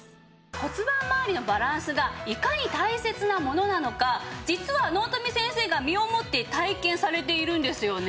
骨盤まわりのバランスがいかに大切なものなのか実は納富先生が身をもって体験されているんですよね。